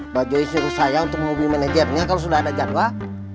baju suruh saya untuk menghubungi manajernya kalau sudah ada jadwal